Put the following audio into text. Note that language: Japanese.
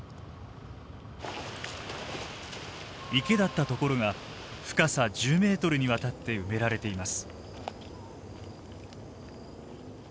池だった所が深さ１０メートルにわたって埋められています。